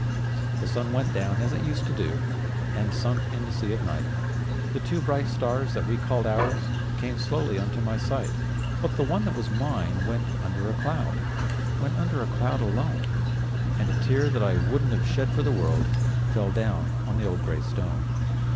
The sun went down as it used to do, And sunk in the sea of night; The two bright stars that we called ours Came slowly unto my sight; But the one that was mine went under a cloud— Went under a cloud, alone; And a tear that I wouldn't have shed for the world, Fell down on the old gray stone.